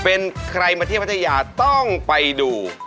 เป็นใครมาเที่ยวพัทยาต้องไปดู